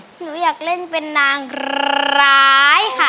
หนูอยากเล่นเป็นนางร้ายค่ะ